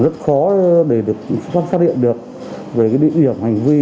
rất khó để được phát hiện được về địa điểm hành vi